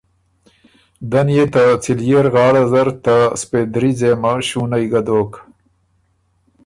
ده نيې ته څليېر غاړه زر ته سپېدري ځېمه شُونئ ګه دوک